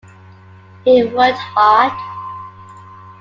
He worked hard.